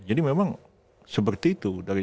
jadi memang seperti itu